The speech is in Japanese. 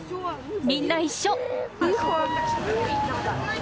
みんな一緒。